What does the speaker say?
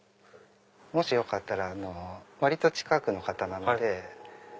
もしよかったら割と近くの方なので。